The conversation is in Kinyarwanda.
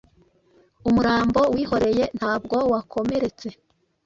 Umurambo wihoreye ntabwo wakomeretse.